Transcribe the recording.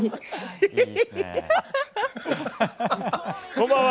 こんばんは。